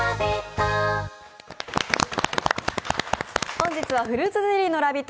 本日はフルーツゼリーのラヴィット！